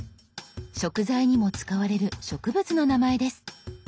食材にも使われる植物の名前です。